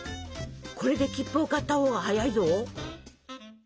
「これで切符を買ったほうが早いぞ」。